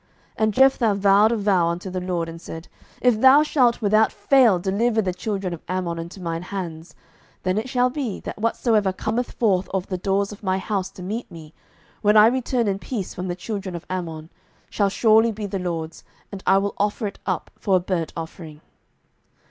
07:011:030 And Jephthah vowed a vow unto the LORD, and said, If thou shalt without fail deliver the children of Ammon into mine hands, 07:011:031 Then it shall be, that whatsoever cometh forth of the doors of my house to meet me, when I return in peace from the children of Ammon, shall surely be the LORD's, and I will offer it up for a burnt offering.